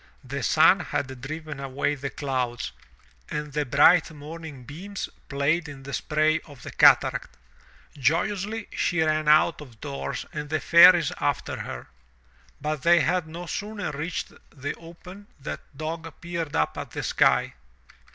The sun had driven away the clouds, and the bright morning beams played in the spray of the cataract. Joyously she ran out 248 THROUGH FAIRY HALLS of doors and the Fairies after her. But they had no sooner reached the open than Dock peered up at the sky.